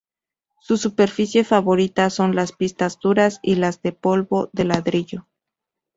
Su superficie favorita son las pistas duras y las de polvo de ladrillo.